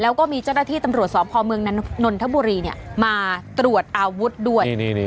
แล้วก็มีเจ้าหน้าที่ตำรวจสอบภอมเมืองนันนทบุรีเนี่ยมาตรวจอาวุธด้วยนี่นี่นี่